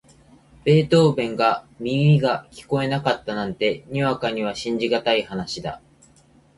ベートーヴェンが耳が聞こえなかったなんて、にわかには信じがたい話だ。